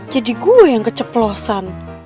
jadi gue yang keceplosan